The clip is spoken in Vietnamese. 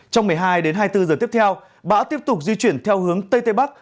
trong một mươi hai đến hai mươi bốn giờ tiếp theo bão tiếp tục di chuyển theo hướng tây tây bắc